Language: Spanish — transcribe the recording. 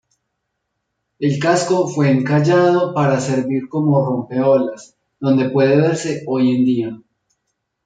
El casco fue encallado para servir como rompeolas, donde puede verse hoy en día.